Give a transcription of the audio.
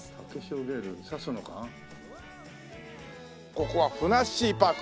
ここはふなっしーパーク。